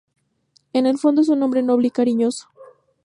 En el fondo es un hombre noble y cariñoso.